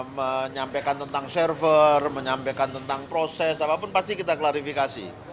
menyampaikan tentang server menyampaikan tentang proses apapun pasti kita klarifikasi